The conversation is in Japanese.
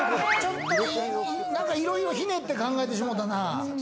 なんかいろいろひねって考えてしまったな。